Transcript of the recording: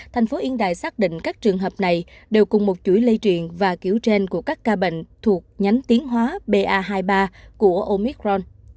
thành phố yên đài xác định các trường hợp này đều cùng một chuỗi lây truyền và kiểu trên của các ca bệnh thuộc nhánh tiến hóa ba hai mươi ba của omicron